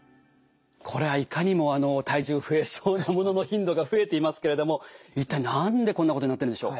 これはいかにも体重増えそうなものの頻度が増えていますけれども一体何でこんなことになってるんでしょう。